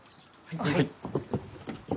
はい。